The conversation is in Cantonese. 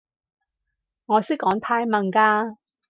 我識講泰文㗎